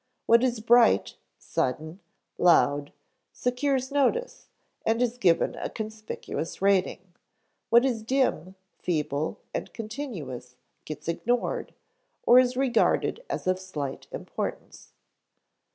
What is bright, sudden, loud, secures notice and is given a conspicuous rating. What is dim, feeble, and continuous gets ignored, or is regarded as of slight importance.